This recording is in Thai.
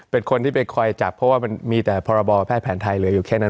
เป็นคนที่ไปคอยจับเพราะว่ามันมีแต่พรบแพทย์แผนไทยเหลืออยู่แค่นั้น